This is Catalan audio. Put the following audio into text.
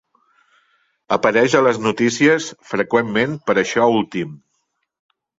Apareix a les notícies freqüentment per això últim.